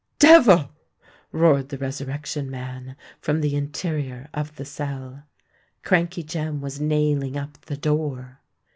"Devil!" roared the Resurrection Man, from the interior of the cell. Crankey Jem was nailing up the door!